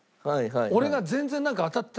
俺が全然なんか当たってないから。